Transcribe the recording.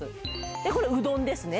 でこれうどんですね。